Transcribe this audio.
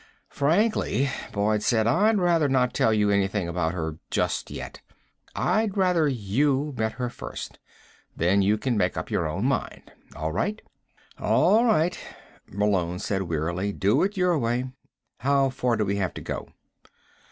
"Frankly," Boyd said, "I'd rather not tell you anything about her just yet. I'd rather you met her first. Then you could make up your own mind. All right?" "All right," Malone said wearily. "Do it your own way. How far do we have to go?"